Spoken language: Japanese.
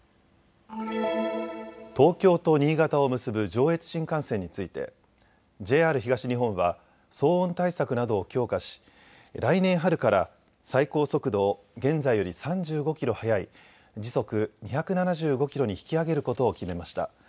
東京と新潟を結ぶ上越新幹線についてＪＲ東日本は騒音対策などを強化し来年春から最高速度を現在より３５キロ速い時速２７５キロに引き上げることを決めました。